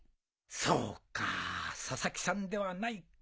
そうか佐々木さんではないか。